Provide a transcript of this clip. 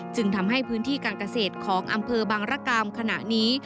จึงทำให้พื้นที่การเกษตรของอำเภอบังรกรรมขณะนี้